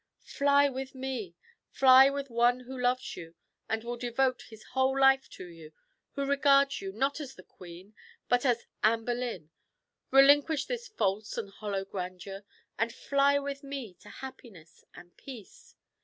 Fly with me fly with one who loves you, and will devote his whole life to you who regards you, not as the queen, but as Anne Boleyn. Relinquish this false and hollow grandeur, and fly with me to happiness and peace."